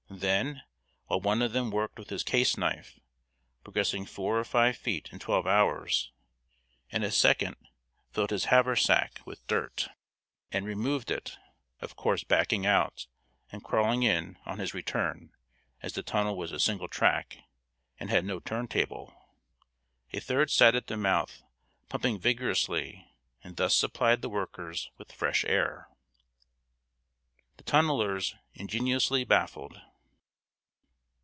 Then, while one of them worked with his case knife, progressing four or five feet in twelve hours, and a second filled his haversack with dirt and removed it (of course backing out, and crawling in on his return, as the tunnel was a single track, and had no turn table), a third sat at the mouth pumping vigorously, and thus supplied the workers with fresh air. [Sidenote: THE TUNNELERS INGENIOUSLY BAFFLED.